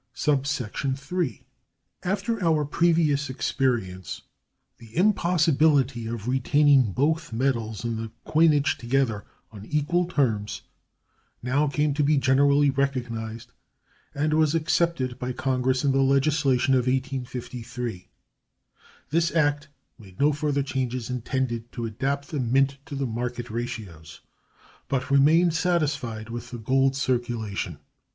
III. After our previous experience, the impossibility of retaining both metals in the coinage together, on equal terms, now came to be generally recognized, and was accepted by Congress in the legislation of 1853. This act made no further changes intended to adapt the mint to the market ratios, but remained satisfied with the gold circulation.